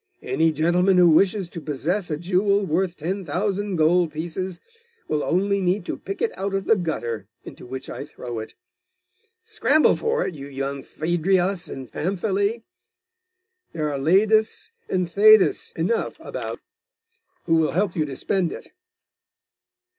Any gentleman who wishes to possess a jewel worth ten thousand gold pieces, will only need to pick it out of the gutter into which I throw it. Scramble for it, you young Phaedrias and Pamphili! There are Laides and Thaides enough about, who will help you to spend it.